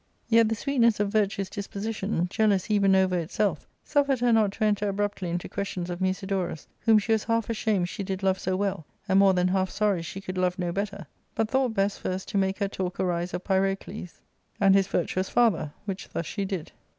Yet the sweetness of virtue's disposition, jealous even over itself, suffered her not to enter abruptly into questions of Musidorus, whom she was half ashamed she did love so well, and more than half sorry she could love no better, but thought best first to make her talk arise of Pyrocles and his virtuous father, which thus she did :— L 146 ARCADIA.